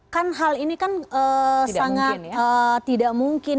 kan hal ini kan sangat tidak mungkin